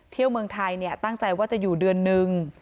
เที่ยวเมืองไทยเนี่ยตั้งใจว่าจะอยู่เดือนนึง